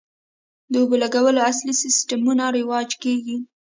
د اوبولګولو عصري سیستمونه رواج کیږي